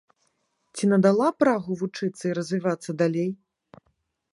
Ці надала прагу вучыцца і развівацца далей?